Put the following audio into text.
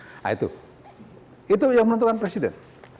nah itu itu yang menentukan presiden